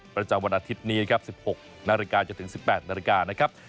ประจำวันอาทิตย์นี้ครับ๑๖นาฬิกาจนถึง๑๘นาฬิกานะครับ